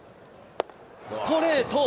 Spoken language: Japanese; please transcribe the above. ストレート。